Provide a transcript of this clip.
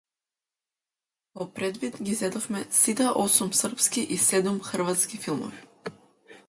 Во предвид ги зедовме сите осум српски и седум хрватски филмови.